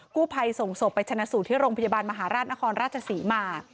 กู้ภัยส่งศพไปชนะสูตรที่โรงพยาบาลมหาราชนครราชศรีมา